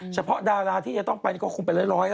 เฉพาะดาราที่จะต้องไปก็คงเป็นร้อย